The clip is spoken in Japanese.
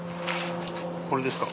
これですか？